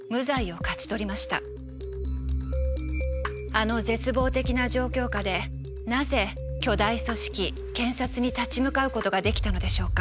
あの絶望的な状況下でなぜ巨大組織検察に立ち向かうことができたのでしょうか？